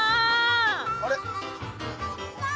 あれ？